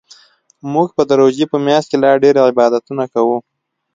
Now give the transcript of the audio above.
موږ به د روژې په میاشت کې لا ډیرعبادتونه کوو